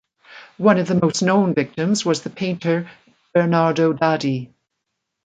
One of the most known victims was the painter Bernardo Daddi.